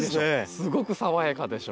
すごく爽やかでしょ。